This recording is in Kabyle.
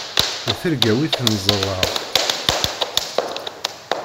Di tirga-w i ten-ẓerreɣ.